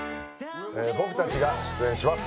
僕たちが出演します